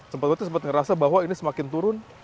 sempat itu sempat ngerasa bahwa ini semakin turun